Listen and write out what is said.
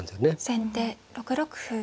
先手６六歩。